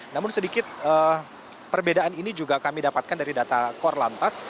namun sedikit perbedaan ini juga kami dapatkan dari data kor lantas